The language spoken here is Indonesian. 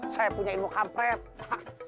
saya punya imut kampret